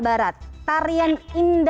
barat tarian indah